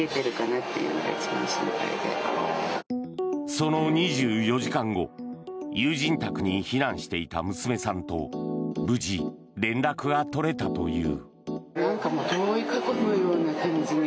その２４時間後友人宅に避難していた娘さんと無事、連絡が取れたという。